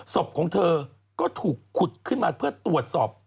ศพของเธอก็ถูกขุดขึ้นมาเพื่อตรวจสอบ